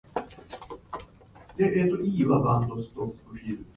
たくさんの人を殺したのか。